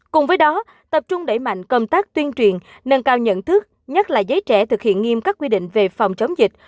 cùng với đó tập trung đẩy mạnh công tác tuyên truyền nâng cao nhận thức nhất là giới trẻ thực hiện nghiêm các quy định về phòng chống dịch